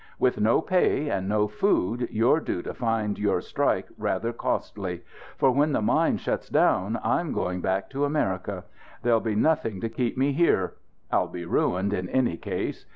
With no pay and no food you're due to find your strike rather costly. For when the mine shuts down I'm going back to America. There'll be nothing to keep me here. I'll be ruined, in any case.